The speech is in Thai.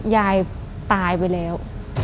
ยายตายไปแล้ว